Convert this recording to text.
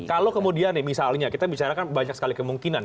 kalau kemudian misalnya kita bicara kan banyak sekali kemungkinan